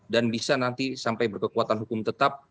dan bisa nanti sampai berkekuatan hukum tetap